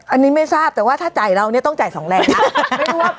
อันนี้ไม่ทราบแต่ว่าถ้าจ่ายเราเนี่ยต้องจ่าย๒แรงนะ